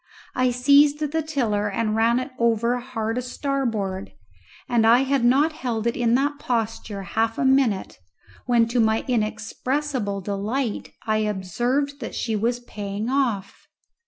I seized the tiller and ran it over hard a starboard, and I had not held it in that posture half a minute when to my inexpressible delight I observed that she was paying off.